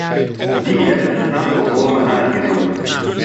Die hebben een aantal vormen aangenomen.